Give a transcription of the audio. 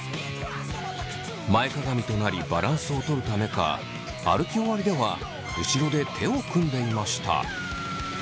前かがみとなりバランスをとるためか歩き終わりでは後ろで手を組んでいました。